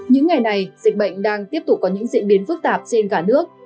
những ngày này dịch bệnh đang tiếp tục có những diễn biến phức tạp trên cả nước